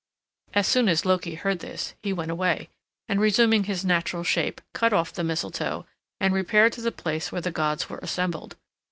As soon as Loki heard this he went away, and resuming his natural shape, cut off the mistletoe, and repaired to the place where the gods were assembled.